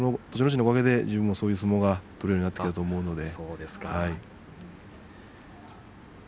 心のおかげで自分がそういう相撲が取れるようになったと思っています。